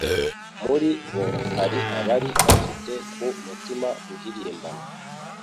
Muri bo hari abari bafite ku mutima guhirimbana